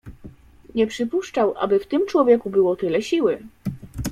"Nie przypuszczał, aby w tym człowieku było tyle siły."